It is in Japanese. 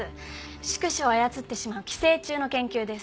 宿主を操ってしまう寄生虫の研究です。